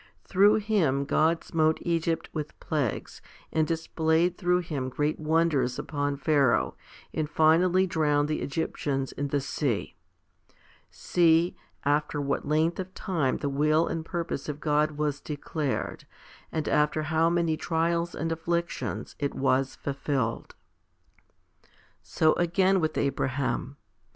Through him God smote Egypt with plagues, and displayed through him great wonders upon Pharaoh, and finally drowned the Egyptians in the sea. See, after what length of time the 1 Acts vii. 22. z Heb. xi. 24 26. 3 Ex. vii. I. HOMILY IX 71 will and purpose of God was declared, and after how many trials and afflictions it was fulfilled. 5. So again with Abraham.